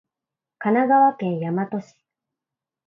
神奈川県大和市